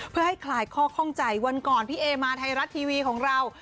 เพื่อให้คลายข้อข้องใจวันก่อนพี่เอมาไทยรัฐทีวีของเรา